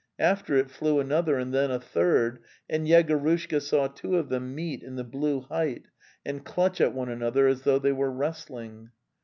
After it flew another, and then a third, and Yegorushka saw two of them meet in the blue height and clutch at one another as though they were wrestling.